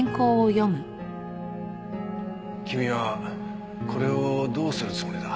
君はこれをどうするつもりだ？